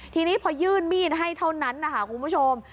ทีนี้พอยื่นมีดให้เท่านั้นนะคะคุณผู้ชม